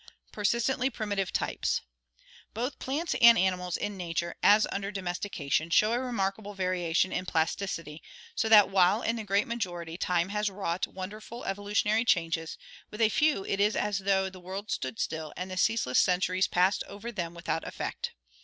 Persistently Primitive Types. — Both plants and animals in nature, as under domestication, show a remarkable variation in plasticity, so that while in the great majority time has wrought wonderful evolutionary changes, with a few it is as though the world stood still and the ceaseless centuries passed over them without effect.